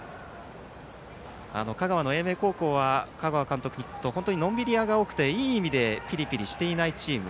香川の英明高校は香川監督に聞くと本当にのんびり屋が多くていい意味でピリピリしていないチーム。